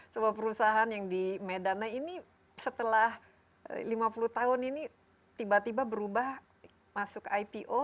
sebuah perusahaan yang di medan ini setelah lima puluh tahun ini tiba tiba berubah masuk ipo